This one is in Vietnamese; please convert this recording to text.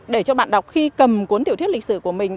để cho bạn đọc khi cầm cuốn tiểu thuyết lịch sử của mình